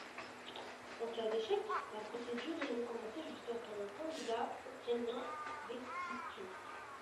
En cas d'échec, la procédure est recommencée jusqu'à ce qu'un candidat obtienne l'investiture.